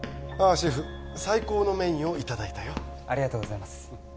シェフ最高のメインをいただいたよありがとうございます